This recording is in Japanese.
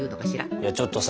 いやちょっとさ